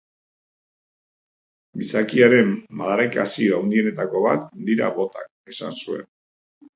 Gizakiaren madarikazio handienetako bat dira botak, esan zuen.